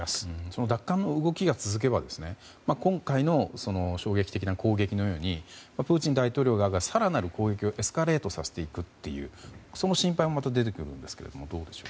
その奪還の動きが続けば今回の衝撃的な攻撃のようにプーチン大統領が更なる攻撃をエスカレートさせていくという心配も出てくるんですが。